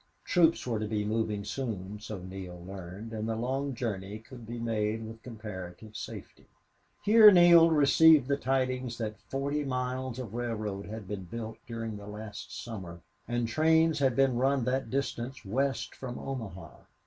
Troops were to be moving soon, so Neale learned, and the long journey could be made in comparative safety. Here Neale received the tidings that forty miles of railroad had been built during the last summer, and trains had been run that distance west from Omaha.